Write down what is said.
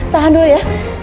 tahan dulu ya